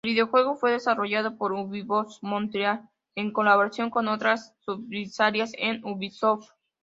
El videojuego fue desarrollado por Ubisoft Montreal, en colaboración con otras subsidiarias de Ubisoft.